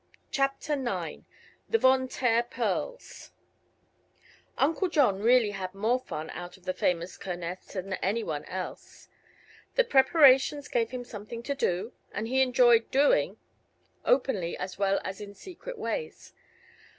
CHAPTER IX THE VON TAER PEARLS Uncle John really had more fun out of the famous Kermess than anyone else. The preparations gave him something to do, and he enjoyed doing openly, as well as in secret ways.